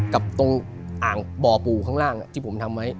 กับอ่างบ่อปู่ที่ผมทำให้